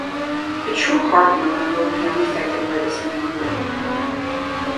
A true heart murmur will be unaffected by this manoever.